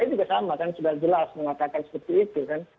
saya juga sama kan sudah jelas mengatakan seperti itu kan